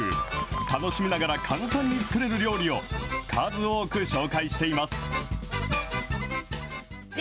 楽しみながら簡単に作れる料理を、数多く紹介しています。